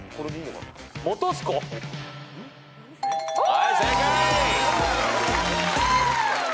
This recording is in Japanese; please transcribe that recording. はい正解。